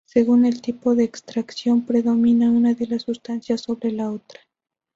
Según el tipo de extracción predomina una de las sustancias sobre la otra.